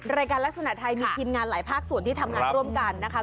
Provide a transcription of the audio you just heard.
รายการลักษณะไทยมีทีมงานหลายภาคส่วนที่ทำงานร่วมกันนะคะ